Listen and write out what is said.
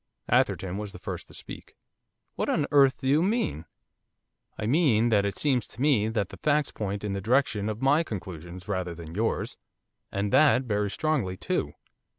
Atherton was the first to speak. 'What on earth do you mean?' 'I mean that it seems to me that the facts point in the direction of my conclusions rather than yours and that very strongly too.